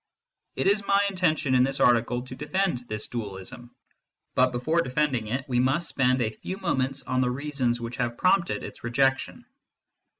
It is my intention in this article to defend this dualism ; but before defending it we must spend a few moments on the reasons which have prompted its rejection.